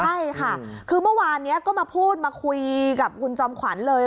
ใช่ค่ะคือเมื่อวานนี้ก็มาพูดมาคุยกับคุณจอมขวัญเลย